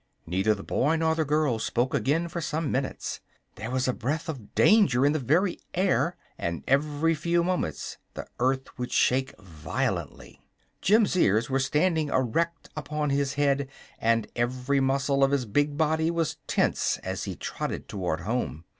Neither the boy nor the girl spoke again for some minutes. There was a breath of danger in the very air, and every few moments the earth would shake violently. Jim's ears were standing erect upon his head and every muscle of his big body was tense as he trotted toward home.